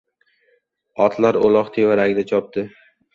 otlar uloq tevaragida chopdi.